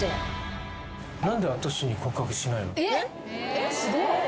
えっすごっ。